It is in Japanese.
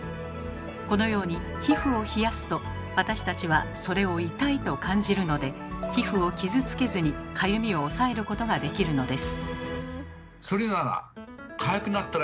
このように皮膚を冷やすと私たちはそれを痛いと感じるので皮膚を傷つけずにかゆみを抑えることができるのです。